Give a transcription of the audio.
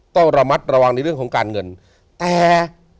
ต้องระมัดระวังในเรื่องของการเงินแต่